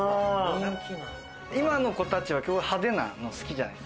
今の子たちは派手なの好きじゃないですか。